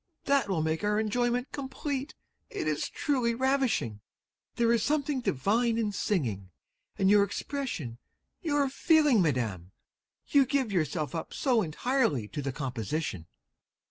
That will make our enjoyment complete; it is truly ravishing! There is something divine in singing, and your expression, your feeling, Madam! You give yourself up so entirely to the composition!